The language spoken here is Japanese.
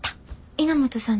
稲本さんの？